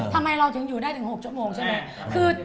ทำไมเราถึงอยู่ได้ถึง๖ชั่วโมงใช่ไหม